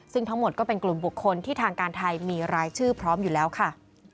ซึ่งทั้งหมดก็เป็นกลุ่มบุคคลที่ทางการไทยมีรายชื่อพร้อมอยู่แล้วค่ะ